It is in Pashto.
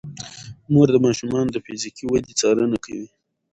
مور د ماشومانو د فزیکي ودې څارنه کوي.